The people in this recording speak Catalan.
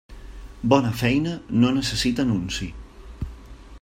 Bona feina no necessita nunci.